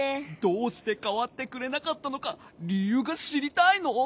どうしてかわってくれなかったのかりゆうがしりたいの？